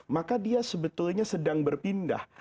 maka dia sebetulnya sedang berpindah